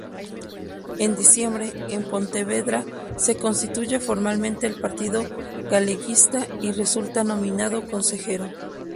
En diciembre, en Pontevedra se constituye formalmente el Partido Galeguista, y resulta nominado consejero.